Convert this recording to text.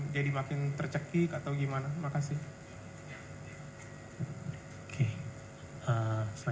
jadi makin tercekik atau gimana